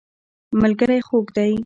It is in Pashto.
ملګری خوږ دی.